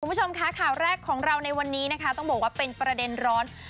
คุณผู้ชมค่ะข่าวแรกของเราในวันนี้นะคะต้องบอกว่าเป็นประเด็นร้อน